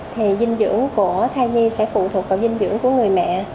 thì dinh dưỡng của thai nhi sẽ phụ thuộc vào dinh dưỡng của người mẹ